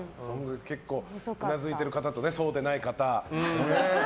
結構、うなずいてる方とそうでない方。